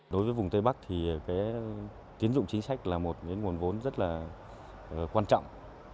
đối với vùng tây bắc thì cái tiến dụng chính sách là một nguồn vốn rất là quan trọng